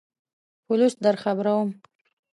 پولیس درخبروم !